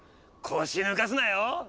腰抜かすなよ。